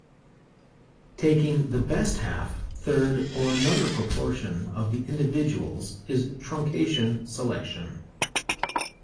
Taking the best half, third or another proportion of the individuals is truncation selection.